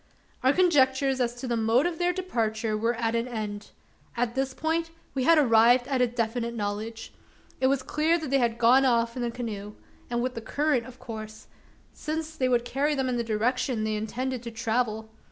Our conjectures as to the mode of their departure were at an end. On this point, we had arrived at a definite knowledge. It was clear they had gone off in the canoe; and with the current, of course: since that would carry them in the direction they intended to travel.